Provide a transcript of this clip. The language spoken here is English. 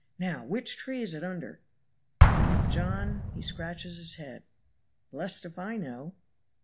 'Now, which tree is it under?' "John, he scratches his head, 'Blest if I know.'